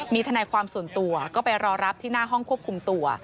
มีทนายความส่วนตัวก็ไปรอรับที่หน้าห้องควบคุมตัว